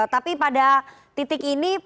tapi pada titik ini